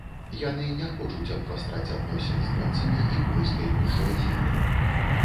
Яны не хочуць абвастраць адносін з немцамі і польскай буржуазіяй.